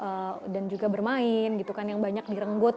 karena mereka juga belajar dan juga bermain gitu kan yang banyak direnggut